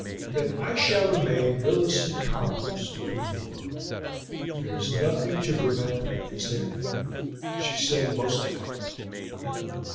"Then I shall remain Millicent Conyers to the world. There is nothing to prevent that, is there?" she said almost defiantly.